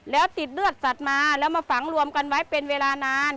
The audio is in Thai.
แล้วติดเลือดสัตว์มาแล้วมาฝังรวมกันไว้เป็นเวลานาน